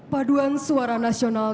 paduan suara nasional